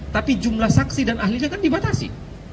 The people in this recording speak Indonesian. tapi jumlah saksi dan ahlinya kan dibatasi